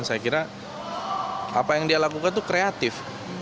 saya kira apa yang dia lakukan itu kreatif